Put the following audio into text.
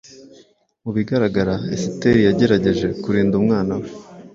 Mu bigaragara, Esiteri yagerageje kurinda umwana we